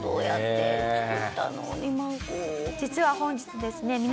実は本日ですね